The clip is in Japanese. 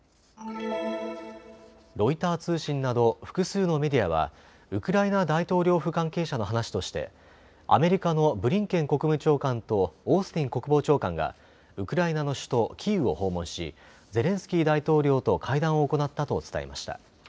ロイター通信など複数のメディアはウクライナ大統領府関係者の話としてアメリカのブリンケン国務長官とオースティン国防長官がウクライナの首都キーウを訪問しゼレンスキー大統領と会談を行ったと伝えました。